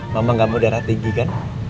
mama gak mau darah tinggi kan